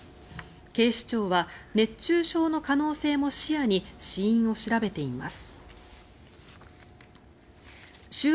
警視庁は熱中症の可能性も視野に死因を調べています。